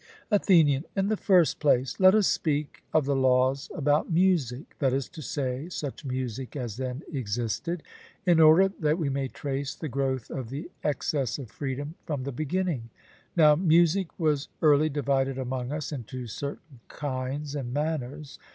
ATHENIAN: In the first place, let us speak of the laws about music, that is to say, such music as then existed in order that we may trace the growth of the excess of freedom from the beginning. Now music was early divided among us into certain kinds and manners.